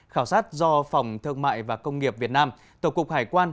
khảo sát do phòng thương mại và công nghiệp việt nam tổng cục hải quan